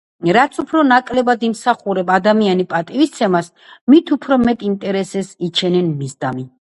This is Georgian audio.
რაც უფრო ნაკლებად იმსახურებს ადამიანი პატივისცემას, მით უფრო მეტ ინტერესს იჩენენ მისდამი